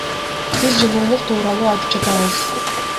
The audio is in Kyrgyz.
Биз жылуулук тууралуу айтып жатабыз.